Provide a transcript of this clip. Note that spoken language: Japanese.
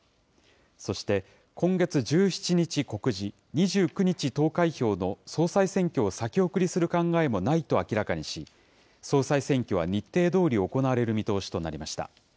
そして、今月１７日告示、２９日投開票の総裁選挙を先送りする考えもないと明らかにし、総裁選挙は日程どおり行われる見通しとなりました。